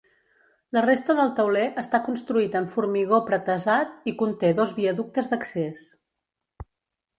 La resta del tauler està construït en formigó pretesat i conté dos viaductes d'accés.